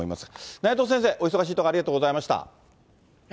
内藤先生、お忙しいところありがとうございました。